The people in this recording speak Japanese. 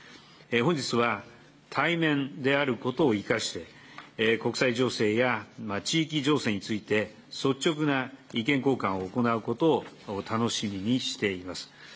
本日は、対面であることを生かして、国際情勢や地域情勢について、率直な意見交換を行うことを楽しみにしています。